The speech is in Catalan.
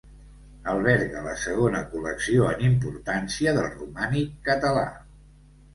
Alberga la segona col·lecció en importància del romànic català.